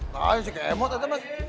tahu si kemot itu mas